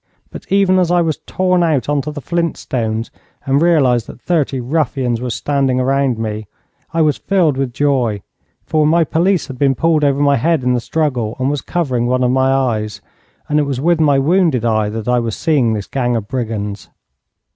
But even as I was torn out on to the flint stones, and realized that thirty ruffians were standing around me, I was filled with joy, for my pelisse had been pulled over my head in the struggle and was covering one of my eyes, and it was with my wounded eye that I was seeing this gang of brigands.